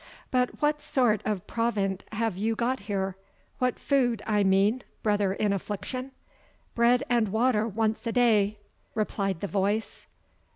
But what sort of provant have you got here what food, I mean, brother in affliction?" "Bread and water once a day," replied the voice.